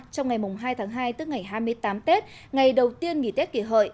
trong ngày hai tháng hai tức ngày hai mươi tám tết ngày đầu tiên nghỉ tết kỷ hợi